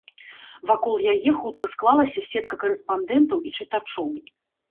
Вакол яе хутка склалася сетка карэспандэнтаў і чытачоў.